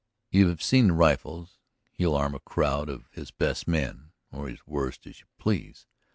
You have seen the rifles; he'll arm a crowd of his best men ... or his worst, as you please